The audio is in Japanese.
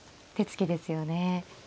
手つきですよね。